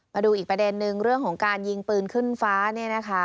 มาดูอีกประเด็นนึงเรื่องของการยิงปืนขึ้นฟ้าเนี่ยนะคะ